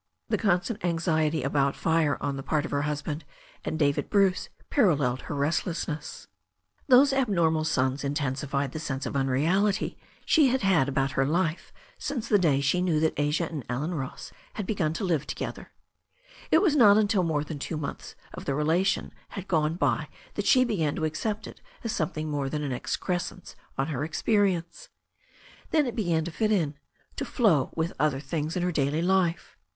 The constant anxiety about fire on the part of her husband and David Bruce paralleled her restlessness. 367 368 THE STORY OF A NEW ZEALAND RIVER Those abnormal suns intensified the sense of unreality she had had about her life since the day she knew that Asia and Allen Ross had begun to live together. It was not until more than two months of the relation had gone by that she began to accept it as something more than an excrescence on her experience. Then it began to fit in, to flow along with other things in her daily life.